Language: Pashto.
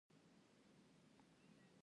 د هېواد مرکز د افغان ښځو په ژوند کې رول لري.